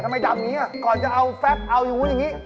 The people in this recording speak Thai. ทำไมดำนี้ก่อนจะเอาแฟปเอาอยู่อย่างนี้